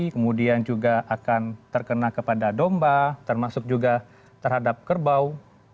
kemudian juga akan terkena kepada domba termasuk juga terhadap kerbau